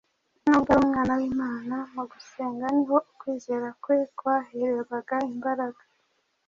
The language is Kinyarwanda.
Nubwo ari Umwana w’Imana, mu gusenga ni ho ukwizera kwe kwahererwaga imbaraga.